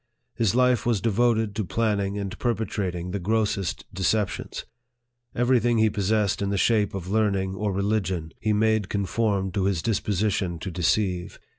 His life was devoted to planning and perpetrating the grossest deceptions. Every thing he possessed in the shape of learning or religion, he made conform to his disposition to deceive.